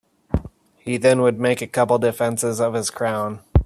He then would make a couple defenses of his crown.